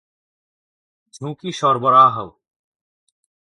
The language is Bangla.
ঝুঁকি সরবরাহ.